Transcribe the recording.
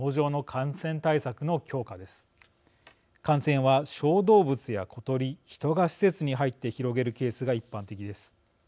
感染は小動物や小鳥人が施設に入って広げるケースが一般的です。